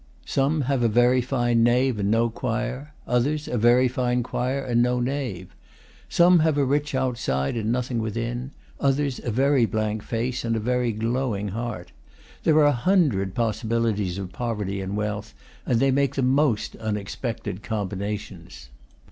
Some have a very fine nave and no choir; others a very fine choir and no nave. Some have a rich outside and nothing within; others a very blank face and a very glowing heart. There are a hundred possibilities of poverty and wealth, and they make the most unexpected combinations.